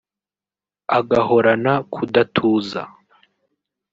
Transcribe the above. agahorana kudatuza